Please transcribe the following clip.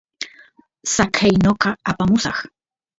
saqey noqa apamusaq